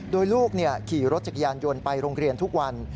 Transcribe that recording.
โดยลูกขี่รถจักรยานยนต์ไปโรงเรียนทุกวัน